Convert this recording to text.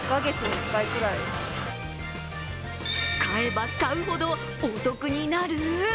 買えば買うほどお得になる？